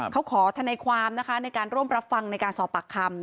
เขาขอทนายความนะคะในการร่วมรับฟังในการสอบปากคำ